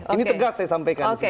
ini tegas saya sampaikan